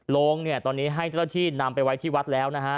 โรงเนี่ยตอนนี้ให้เจ้าหน้าที่นำไปไว้ที่วัดแล้วนะฮะ